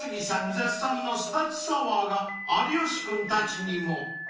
絶賛のすだちサワーが有吉君たちにも］